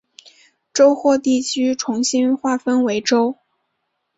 州或地区重新划分为州。